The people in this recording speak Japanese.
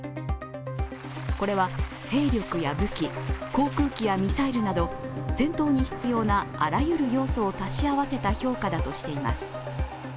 これは兵力や武器、航空機やミサイルなど戦闘に必要なあらゆる要素を足し合わせた評価だとしています。